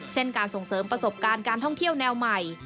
เช่นการส่งเสริมประสบการณ์การท่องเที่ยวแนวใหม่